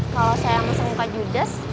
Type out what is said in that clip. kalau saya yang ngeseng muka judas